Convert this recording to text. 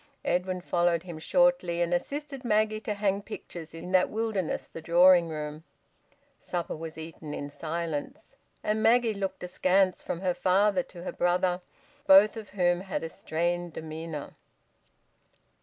Edwin followed him shortly, and assisted Maggie to hang pictures in that wilderness, the drawing room. Supper was eaten in silence; and Maggie looked askance from her father to her brother, both of whom had a strained demeanour.